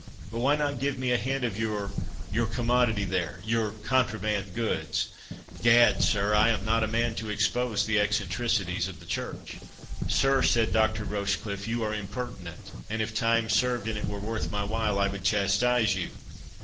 But why not give me a hint of your—your commodity there—your contraband goods? Gad, sir, I am not a man to expose the eccentricities of the Church." "Sir," said Dr. Rochecliffe, "you are impertinent; and if time served, and it were worth my while, I would chastise you."